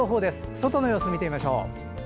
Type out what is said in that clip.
外の様子を見てみましょう。